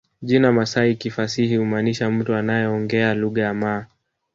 Jina Masai kifasihi humaanisha mtu anayeongea lugha ya Maa